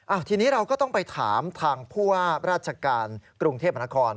ทีนี้เราก็ต้องไปถามทางผู้ว่าราชการกรุงเทพมนาคม